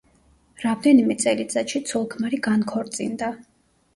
რამდენიმე წელიწადში ცოლ-ქმარი განქორწინდა.